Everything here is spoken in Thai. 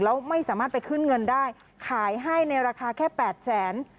แล้วไม่สามารถไปขึ้นเงินได้ขายให้ในราคาแค่๘แสน